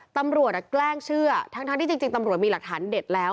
แกล้งเชื่อทั้งที่จริงตำรวจมีหลักฐานเด็ดแล้ว